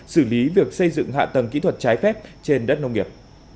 xử lý việc xây dựng hạ tầng kỹ thuật trái phép trên đất nông nghiệp